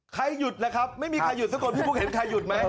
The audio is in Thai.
ใครหยุดล่ะครับไม่มีใครหยุดสักคนพี่ปุ๊กเห็นใครหยุดไหม